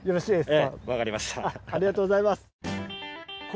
ありがとうございます。